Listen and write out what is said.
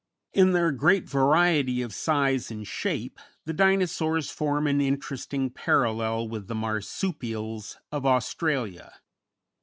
In their great variety of size and shape the Dinosaurs form an interesting parallel with the Marsupials of Australia.